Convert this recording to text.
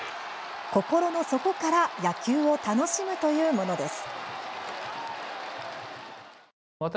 心の底から野球を楽しむというものです。